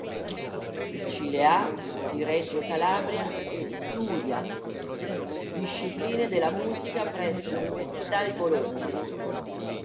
Cilea” di Reggio Calabria e studia Discipline della Musica presso l'Università di Bologna.